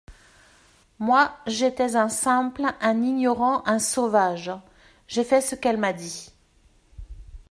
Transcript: Moi, j'étais un simple, un ignorant, un sauvage ; j'ai fait ce qu'elle m'a dit.